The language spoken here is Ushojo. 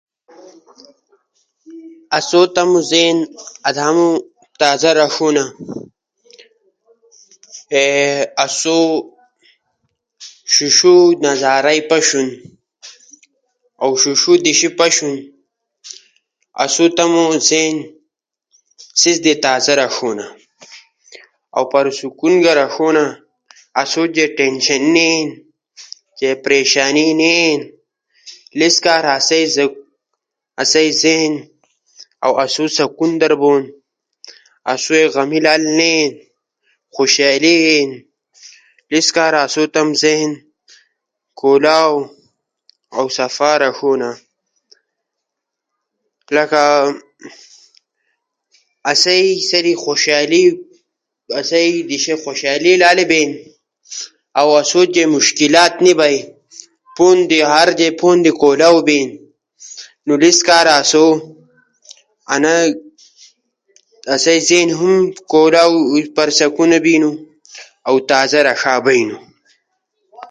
آسو تمو زہن آدامو تازا رݜونا، آسو شیشو نظارے پشینی، اؤ شیشو دیشا پشنی، آسو تمو زہن سیس در تازا رݜونا۔ اؤ پرسکون گا رݜونا۔ آسو جا ٹینشن نی اینی ، جے پریشانی نی اینی، انیس کارا آسئی زہن اؤ آسو سکون در بون۔ آسوئے غمی لالے نہ اینی۔ خوشالی اینی، انیس کارا آسئی تمو زہن کھولاؤ اؤ صفا رݜونا۔ آسئی دیشا خوشالی لالی بینی۔ اؤ آسو جے مشکلات نی بئینی۔ ہر جے تھون دی کھولاؤ بینی۔ انیس کارا آسو زہن ہم کھولاؤ اؤ پرسکونا بینو، اؤ تازا رݜا بینو۔